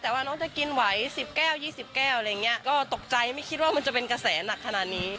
แต่ว่าน้องจะกินไหว๑๐แก้ว๒๐แก้วอะไรอย่างนี้ก็ตกใจไม่คิดว่ามันจะเป็นกระแสหนักขนาดนี้